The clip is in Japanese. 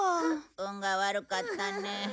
運が悪かったね。